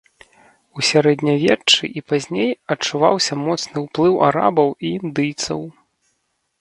У сярэднявеччы і пазней адчуваўся моцны ўплыў арабаў і індыйцаў.